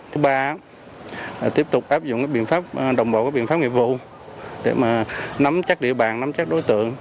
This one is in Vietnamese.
thứ ba là tiếp tục áp dụng cái biện pháp đồng bộ cái biện pháp nghiệp vụ để mà nắm chắc địa bàn nắm chắc đối tượng